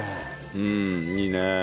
うんいいね。